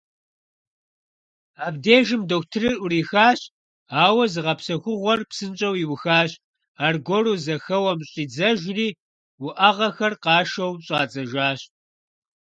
Абдежым дохутырыр Ӏурихащ, ауэ зыгъэпсэхугъуэр псынщӀэу иухащ, аргуэру зэхэуэм щӀидзэжри уӀэгъэхэр къашэу щӀадзэжащ.